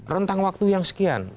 rentang waktu yang sekian